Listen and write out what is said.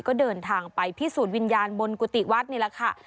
ก็เดินทางไปพิสูจน์วิญญาณบนกุฏิวัดนี่แหละค่ะ